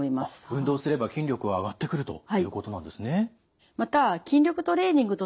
運動すれば筋力は上がってくるということなんですね。